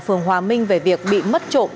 phường hòa minh về việc bị mất trộn